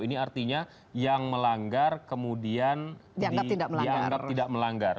ini artinya yang melanggar kemudian dianggap tidak melanggar